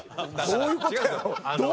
どういう事やろ？